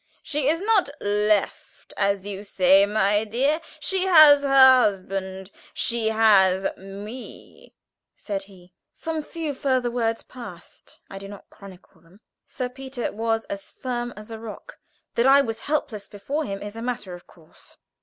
"She is not 'left,' as you say, my dear. She has her husband. She has me," said he. Some few further words passed. I do not chronicle them. Sir Peter was as firm as a rock that I was helpless before him is a matter of course.